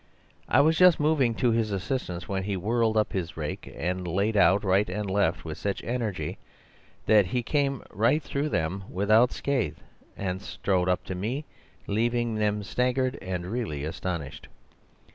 I was just moving to his assistance, when he whirled up his rake and laid out right and left with such energy that he came through them without scathe and strode right up to me, leaving them staggered and really astonished.